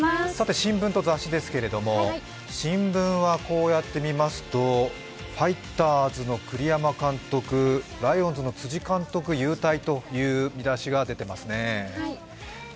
新聞と雑誌ですけれども、新聞は、ファイターズの栗山監督、ライオンズの辻監督、勇退と見出しが出ていますね。